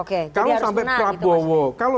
kalau sampai prabowo gibran kalah